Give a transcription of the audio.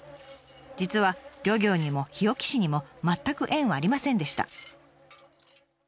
実は漁業にも日置市にも全く縁はありませんでした。